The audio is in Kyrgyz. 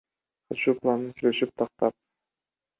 Качуу планын сүйлөшүп, тактап.